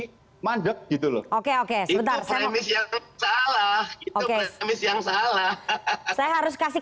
hai mandep gitu loh oke oke sebentar saya misi yang salah oke misi yang salah saya harus kasih